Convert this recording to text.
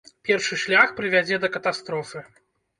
Першы шлях прывядзе да катастрофы.